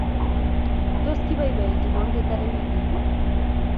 Tos, kibaibaitu kongetare weekit?